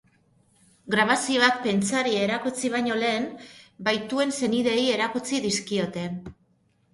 Grabazioak prentsari erakutsi baino lehen, bahituen senideei erakutsi dizkiote.